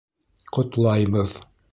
Ҡотлайбыҙ!..